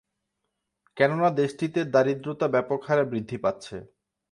কেননা দেশটিতে দারিদ্রতা ব্যাপকহারে বৃদ্ধি পাচ্ছে।